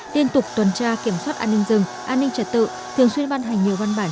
liên tục tuần tra kiểm soát an ninh rừng an ninh trật tự thường xuyên ban hành nhiều văn bản